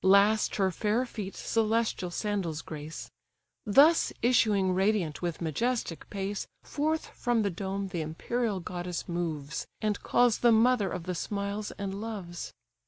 Last her fair feet celestial sandals grace. Thus issuing radiant with majestic pace, Forth from the dome the imperial goddess moves, And calls the mother of the smiles and loves.